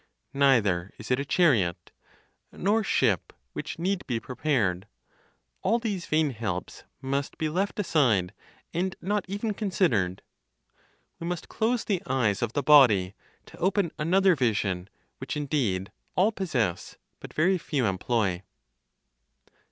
Neither is it a chariot, nor ship which need be prepared. All these vain helps must be left aside, and not even considered. We must close the eyes of the body, to open another vision, which indeed all possess, but very few employ.